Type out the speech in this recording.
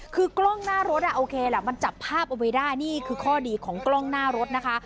คือกล้องหน้ารถอ่ะโอเคล่ะมันจับภาพเอาไว้ได้นี่คือข้อดีของกล้องหน้ารถนะคะ